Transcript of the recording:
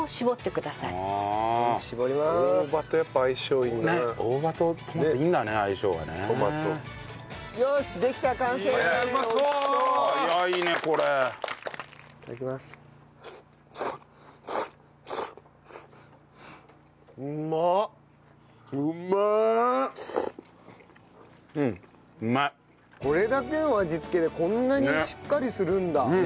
これだけの味付けでこんなにしっかりするんだ。